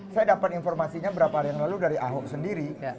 saya dapat informasinya berapa hari yang lalu dari ahok sendiri